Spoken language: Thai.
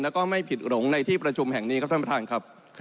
แล้วก็ไม่ผิดหลงในที่ประชุมแห่งนี้ครับท่านประธานครับ